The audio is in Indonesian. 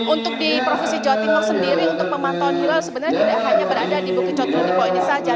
untuk di provinsi jawa timur sendiri untuk pembentuan hilal sebenarnya tidak hanya berada di bukit cotro di poenisah